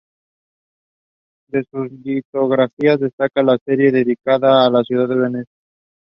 First Bell have several teaching methods from its starting.